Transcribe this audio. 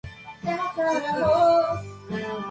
kkk